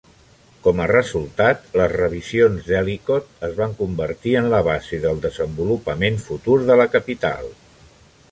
Com a resultat, les revisions d'Ellicott es van convertir en la base del desenvolupament futur de la capital.